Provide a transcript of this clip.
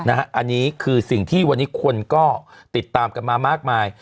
อันนี้คือสิ่งที่วันนี้คนก็ติดตามกันมามากมาย